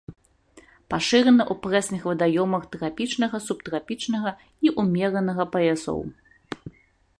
Пашырана ў прэсных вадаёмах трапічнага, субтрапічнага і ўмеранага паясоў.